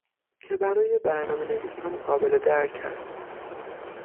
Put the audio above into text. که برای برنامه نویسان قابل درک است